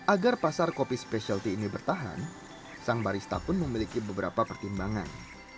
agar pasar kopi spesialty ini bertahan sang barista pun memiliki beberapa pertimbangan